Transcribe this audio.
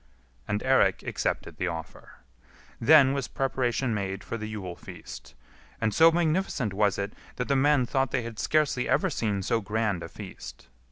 And Eirik accepted the offer. Then was preparation made for the Yule feast, and so magnificent was it that the men thought they had scarcely ever seen so grand a feast.